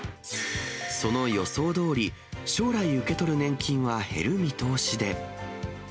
その予想どおり、将来受け取る年金は減る見通しで。